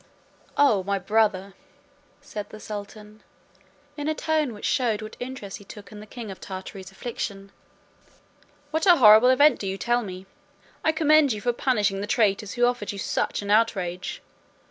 "O! my brother," said the sultan, (in a tone which shewed what interest he took in the king of Tartary's affliction), "what a horrible event do you tell me! I commend you for punishing the traitors who offered you such an outrage.